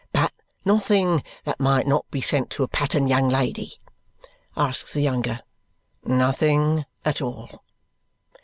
"But nothing that might not be sent to a pattern young lady?" asks the younger. "Nothing at all."